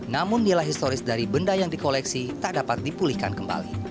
namun nilai historis dari benda yang dikoleksi tak dapat dipulihkan kembali